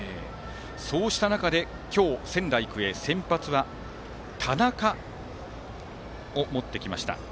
そうした中で今日、仙台育英先発に田中を持ってきました。